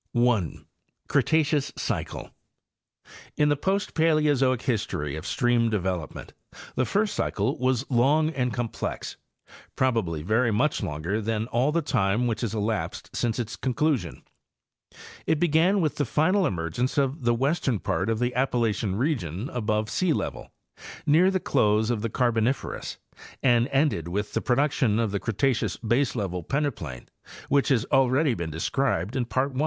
1.—CRETACEOUS CYCLE. In the post Paleozoic history of stream development the first cycle was long and complex—probably very much longer than all the time which has elapsed since its conclusion. It began with the final emergence of the western part of the Appalachian region above sealevel, near the close of the Carboniferous, and ended with the production of the Cretaceous baselevel peneplain which has already been described in Part I.